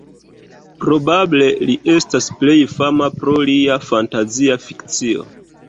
Probable li estas plej fama pro lia fantazia fikcio.